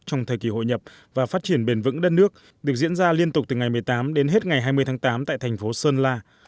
trong thời kỳ hội nhập và phát triển bền vững đất nước được diễn ra liên tục từ ngày một mươi tám đến hết ngày hai mươi tháng tám tại thành phố sơn la